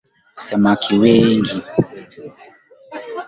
Samaki wengi.